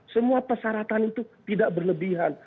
semua persyaratan itu tidak berlebihan